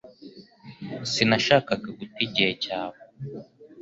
Sinashakaga guta igihe cyawe